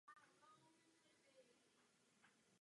Američané ihned poslali do vzduchu svá letadla.